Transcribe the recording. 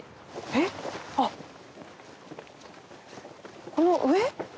えっあっこの上？